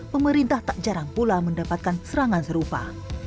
pemerintah tak jarang pula mendapatkan serangan serupa